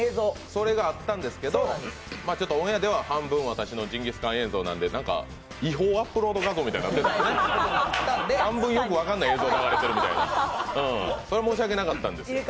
それがあったんですけどオンエアでは半分私のジンギスカン映像なんで違法アップロード画像みたいになって、半分よく分からない映像流れてるみたいな、申し訳なかったんですけど。